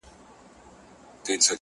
لکه باران اوس د هيندارو له کوڅې وځم’